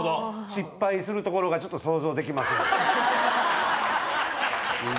失敗するところがちょっと想像できませんよ